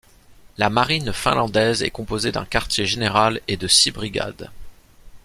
La marine finlandaise est composée d'un quartier général et de six brigades.